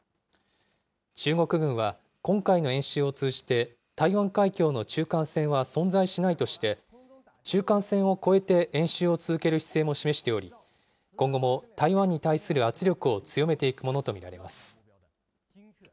中国軍は今回の演習を通じて、台湾海峡の中間線は存在しないとして、中間線を越えて演習を続ける姿勢も示しており、今後も台湾に対する圧力を強めていくものと見